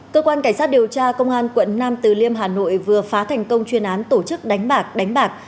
cơ quan cảnh sát điều tra công an quận nam từ liêm hà nội vừa phá thành công chuyên án tổ chức đánh bạc đánh bạc